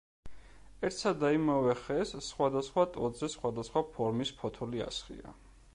ერთსა და იმავე ხეს სხვადასხვა ტოტზე სხვადასხვა ფორმის ფოთოლი ასხია.